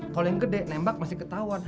kalau yang gede nembak masih ketahuan